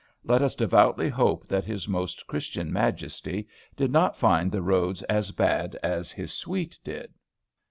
Let us devoutly hope that his most Christian Majesty did not find the roads as bad as his suite did.